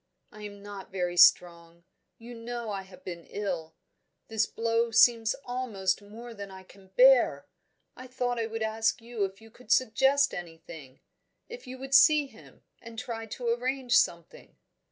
I am not very strong; you know I have been ill: this blow seems almost more than I can bear; I thought I would ask you if you could suggest anything if you would see him, and try to arrange something."